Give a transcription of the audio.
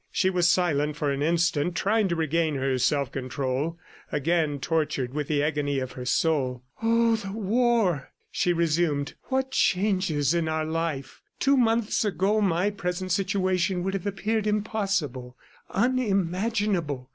She was silent for an instant, trying to regain her self control, again tortured with the agony of her soul. "Oh, the war!" she resumed. "What changes in our life! Two months ago, my present situation would have appeared impossible, unimaginable.